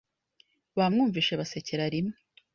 Bamwumvise basekera rimwe